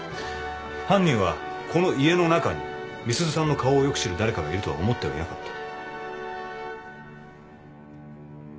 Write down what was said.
犯人はこの家の中に美鈴さんの顔をよく知る誰かがいるとは思ってはいなかった。